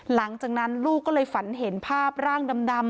หลังจากนั้นลูกก็เลยฝันเห็นภาพร่างดำ